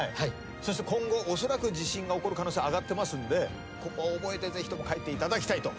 そして今後おそらく地震が起こる可能性上がってますんでここは覚えてぜひとも帰っていただきたいと。